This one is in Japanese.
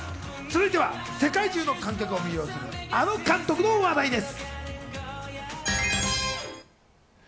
続いては世界中の観客を魅了するあの監督の話題です。